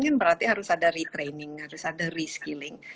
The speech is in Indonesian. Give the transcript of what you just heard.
ini kan berarti harus ada retraining harus ada reskilling